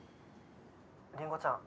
☎りんごちゃん